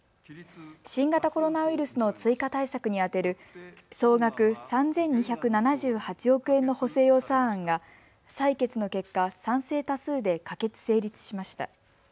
新型コロナウイルスの追加対策に充てる総額３２７８億円の補正予算が採決の結果、賛成多数で可決・成立しました。